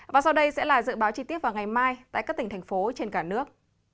và sau đây sẽ là dự báo chi tiết vào ngày mai tại các tỉnh thành phố trên cả nước